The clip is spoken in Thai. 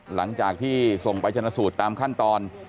หลังจากที่ส่งไปชนะสูตรตามขั้นตอน